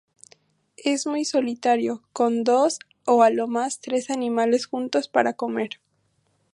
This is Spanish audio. Es muy solitario, con dos o a lo más tres animales juntos para comer.